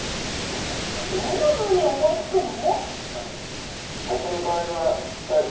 どんなふうに思いつくの？